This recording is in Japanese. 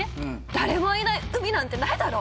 「誰もいない海なんてないだろ！」